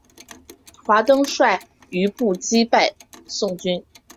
华登率余部击败宋军。